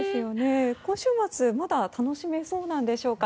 今週末まだ楽しめそうなんでしょうか。